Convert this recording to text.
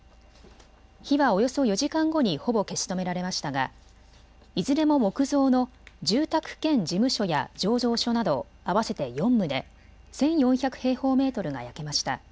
火はおよそ４時間後にほぼ消し止められましたがいずれも木造の住宅兼事務所や醸造所など合わせて４棟、１４００平方メートルが焼けました。